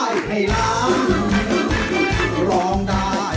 ยี่มาก